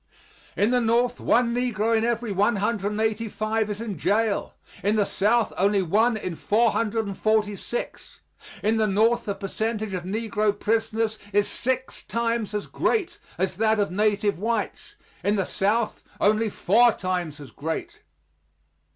In the North, one negro in every 185 is in jail in the South, only one in 446. In the North the percentage of negro prisoners is six times as great as that of native whites; in the South, only four times as great.